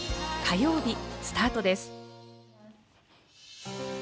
火曜日スタートです。